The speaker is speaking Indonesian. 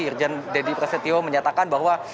irjen deddy prasetyo menyatakan bahwa